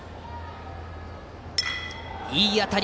いい当たり！